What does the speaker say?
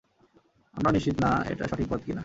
আমরা নিশ্চিত না এটা সঠিক পথ কিনা।